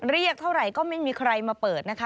เรียกเท่าไหร่ก็ไม่มีใครมาเปิดนะคะ